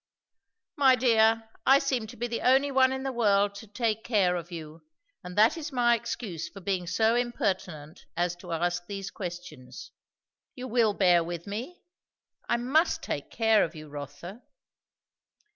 "My dear, I seem to be the only one in the world to take care of you; and that is my excuse for being so impertinent as to ask these questions. You will bear with me? I must take care of you, Rotha!"